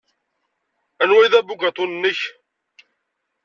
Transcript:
Anwa ay d abugaṭu-nnek?